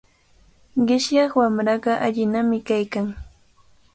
Qishyaq wamraqa allinami kaykan.